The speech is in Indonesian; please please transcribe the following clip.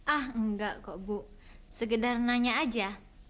ah enggak kok bu segedar nanya aja